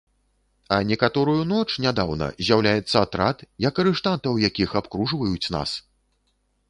А некаторую ноч, нядаўна, з'яўляецца атрад, як арыштантаў якіх абкружваюць нас!